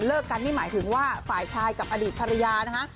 กันนี่หมายถึงว่าฝ่ายชายกับอดีตภรรยานะคะ